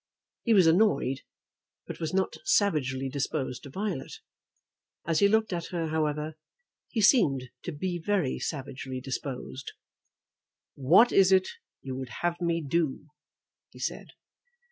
He was annoyed, but was not savagely disposed to Violet. As he looked at her, however, he seemed to be very savagely disposed. "What is it you would have me do?" he said.